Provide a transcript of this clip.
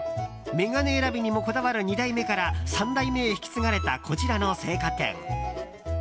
眼鏡選びにもこだわる２代目から３代目へ引き継がれたこちらの青果店。